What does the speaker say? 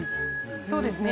そうですね。